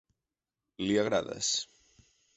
Li agrades.